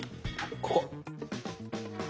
ここ。